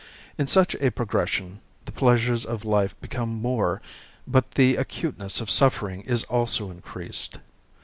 In such a progression the pleasures of life become more, but the acuteness of suffering is also increased.